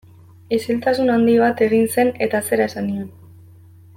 Isiltasun handi bat egin zen eta zera esan nion.